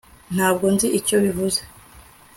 ntabwo nzi icyo bivuze